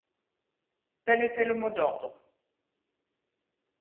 Tel était le mot d’ordre.